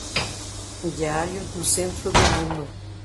Diário do Centro do Mundo